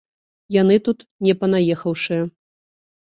Яны тут не панаехаўшыя.